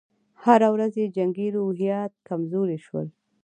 هره ورځ یې جنګي روحیات کمزوري شول.